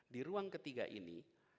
di ruang ketiga ini